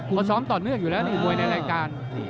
เขาช้อมต่อเนื้ออยู่แล้วมวยในรายการ